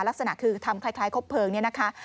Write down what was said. ลักษณะคือทำคล้ายครบเพลิงเนี่ยนะคะ